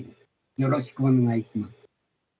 よろしくお願いします。